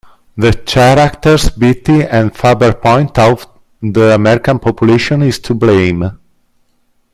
The characters Beatty and Faber point out the American population is to blame.